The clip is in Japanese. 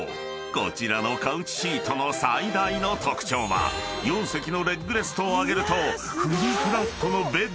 こちらのカウチシートの最大の特徴は４席のレッグレストを上げると］